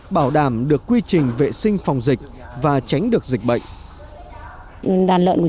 bảo đảm kỹ thuật giống và thức ăn chăn nuôi